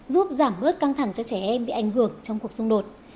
giúp giảm bớt căng thẳng cho trẻ em bị ảnh hưởng trong cuộc xung đột